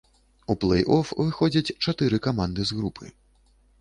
У плэй-оф выходзяць чатыры каманды з групы.